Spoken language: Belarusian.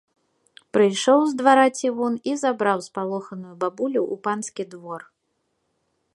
Прыйшоў з двара цівун і забраў спалоханую бабулю ў панскі двор.